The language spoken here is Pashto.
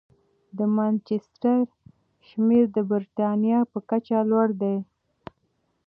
د مانچسټر شمېر د بریتانیا په کچه لوړ دی.